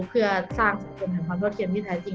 เพื่อสร้างชุมชนแห่งความเท่าเทียมที่แท้จริง